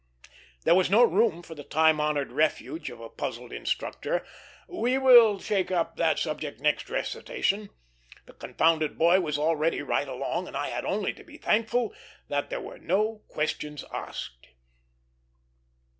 There was no room for the time honored refuge of a puzzled instructor "We will take up that subject next recitation;" the confounded boy was ready right along, and I had only to be thankful that there were "no questions asked."